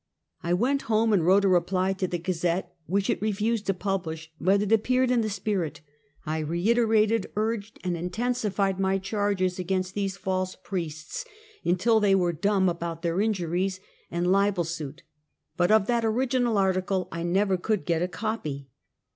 I went home and wrote a reply to the Gazette, which it refused to publish, but it appeared in the Spirit. I reiterated, urged and intensified my charges against these false priests, until they were dumb about their injuries and libel ^suit, but of that original article I never could get a copy.